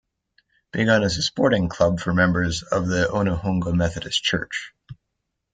Begun as a sporting club for members of the Onehunga Methodist Church.